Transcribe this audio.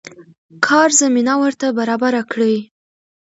کار زمينه ورته برابره کړي.